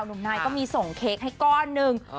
หนุ่มนายก็มีส่งเค้กให้ก้อนหนึ่ง